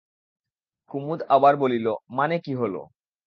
কুমুদ আবার বলিল, মানে কী হল?